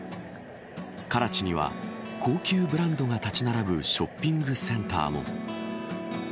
カラチには高級ブランドが立ち並ぶショッピングセンターも。